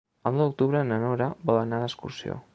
El nou d'octubre na Nora vol anar d'excursió.